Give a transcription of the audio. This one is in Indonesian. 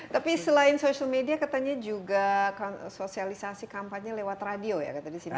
tapi selain social media katanya juga sosialisasi kampanye lewat radio ya katanya di sini